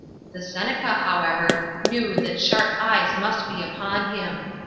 The Seneca, however, knew that sharp eyes must be upon him.